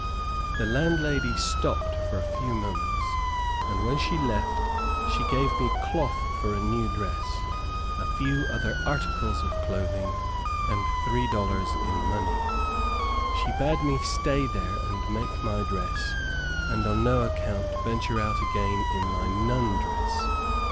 The landlady stopped for a few moments, and when she left she gave me cloth for a new dress, a few other articles of clothing, and three dollars in money. She bade me stay there and make my dress, and on no account venture out again in my nun dress.